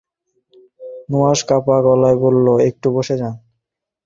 নুহাশ কাঁপা গলায় বলল, একটু বসে যান।